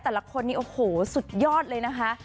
แต่ละคนนี้โอ้โหสุดยอดเลยนะคะ